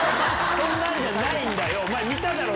そんなんじゃないんだよ！